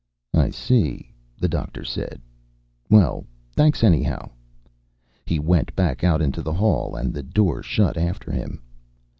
"I see," the Doctor said. "Well, thanks anyhow." He went back out into the hall and the door shut after him.